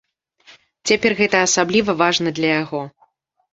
Цяпер гэта асабліва важна для яго.